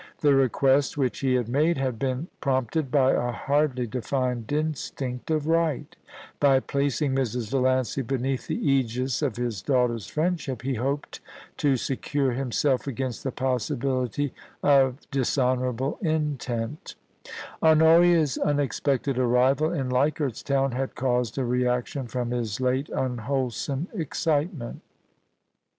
The request which he had made had been prompted by a hardly defined instinct of right By placing Mrs. Valiancy beneath the aegis of his daughter's friendship, he hoped to secure himself against the possibility of dis honourable intent Honoria's unexpected arrival in Leichardt's Town had caused a reaction from his late unwholesome excitement FA THER AND DA UGHTER.